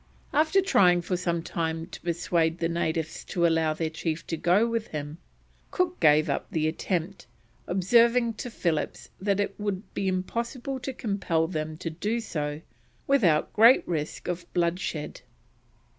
After trying for some time to persuade the natives to allow their chief to go with him, Cook gave up the attempt, observing to Phillips that it would be impossible to compel them to do so without great risk of bloodshed.